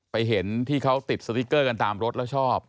เห็นที่เขาติดสติ๊กเกอร์กันตามรถแล้วชอบ